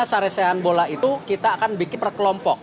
sarasehan bola itu kita akan bikin perkelompok